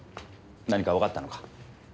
何かわかったのか？